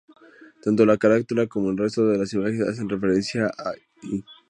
Tanto la carátula como el resto de las imágenes hacen referencia a "I".